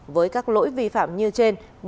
với các lỗi vi phạm như trên